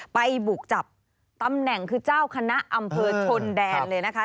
ไปบุกจับตำแหน่งคือเจ้าคณะอำเภอชนแดนเลยนะคะ